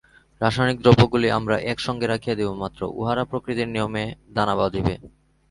রাসায়নিক দ্রব্যগুলি আমরা এক সঙ্গে রাখিয়া দিব মাত্র, উহারা প্রকৃতির নিয়মে দানা বাঁধিবে।